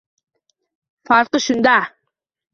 Farqi shunda